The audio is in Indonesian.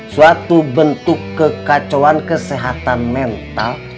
suatu bentuk kekacauan kesehatan mental